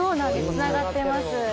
つながってますへえ